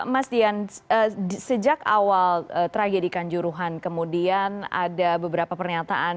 mas dian sejak awal tragedi kanjuruhan kemudian ada beberapa pernyataan